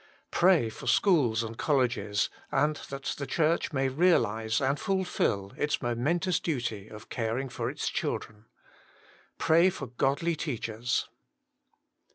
Pray for schools and colleges, aud that the Church may realise and fulfil its momentous duty of caring for its children. Pray for godly teachers.